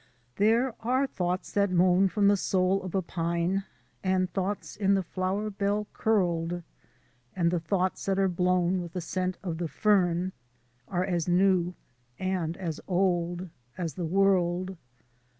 There are thoughts that moan from the soul of a pine, And thoughts in the flower bell curled; And the thoughts that are blown with the scent of the fern Are as new and as old as the world.